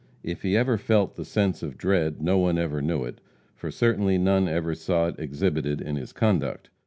If he ever felt the sense of dread, no one ever knew it, for certainly none ever saw it exhibited in his conduct.